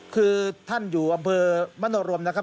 คือท่านอยู่อำเมอร์มันดอหรวมนะครับ